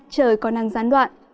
trời có năng gián đoạn